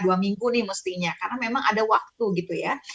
dua minggu nih mestinya karena memang ada waktu gitu ya